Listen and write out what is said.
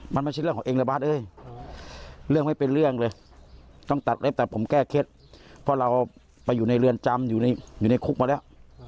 มันไม่ใช่เรื่องของเองระบาดเอ้ยเรื่องไม่เป็นเรื่องเลยต้องตัดเล็บตัดผมแก้เคล็ดเพราะเราไปอยู่ในเรือนจำอยู่ในคุกมาแล้ว